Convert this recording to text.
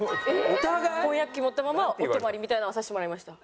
翻訳機持ったままお泊まりみたいなのはさせてもらいました。